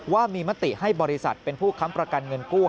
ว่ามีมติให้บริษัทเป็นผู้ค้ำประกันเงินกู้